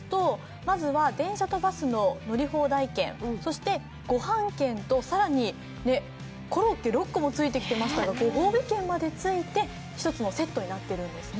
まずは電車とバスの乗り放題券、そしてごはん券と更にコロッケ６個もついていましたがごほうび券までついて１つのセットになってるんですね。